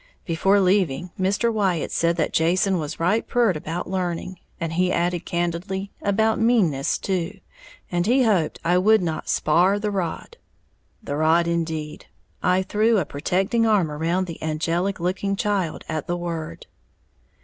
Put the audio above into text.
Before leaving, Mr. Wyatt said that Jason was right pyeert about learning, and, he added candidly, about meanness too, and he hoped I would not spar' the rod. The rod indeed, I threw a protecting arm around the angelic looking child at the word.